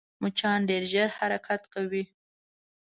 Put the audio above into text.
مچان ډېر ژر حرکت کوي